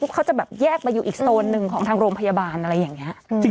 เขาจะแบบแยกมาอยู่อีกโซนหนึ่งของทางโรงพยาบาลอะไรอย่างนี้